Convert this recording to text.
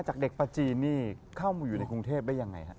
จากเด็กประจีนนี่เข้ามาอยู่ในกรุงเทพได้ยังไงฮะ